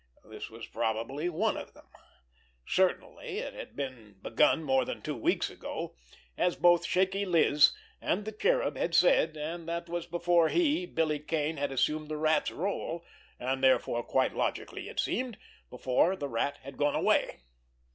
This was probably one of them. Certainly it had been begun more than two weeks ago, as both Shaky Liz and the Cherub had said, and that was before he, Billy Kane, had assumed the Rat's rôle, and, therefore, quite logically it seemed, before the Rat had gone away.